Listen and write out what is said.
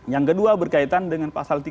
yang kedua berkaitan dengan pasal tiga puluh